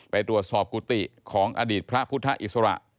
ไปตรวจสอบกุฏิของอดีตพระพุทธอิสระ